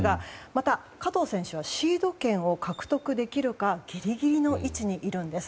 また、加藤選手はシード権を獲得できるかギリギリの位置にいるんです。